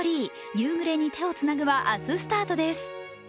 「夕暮れに、手をつなぐ」は明日スタートです。